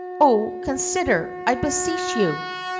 Oh! consider, I beseech you!"